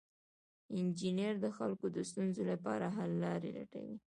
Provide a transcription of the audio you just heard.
انجینر د خلکو د ستونزو لپاره حل لارې لټوي.